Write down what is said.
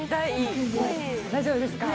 大丈夫ですか？